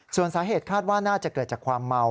ส่วนสาเหตุคาดว่าน่าจะเกิดจากความเมา